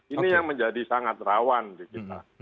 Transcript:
ini yang menjadi sangat rawan di kita